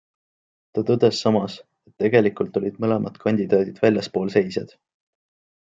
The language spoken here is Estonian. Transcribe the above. Ta tõdes samas, et tegelikult olid mõlemad kandidaadid väljaspoolseisjad.